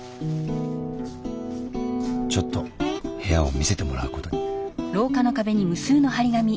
ちょっと部屋を見せてもらう事に。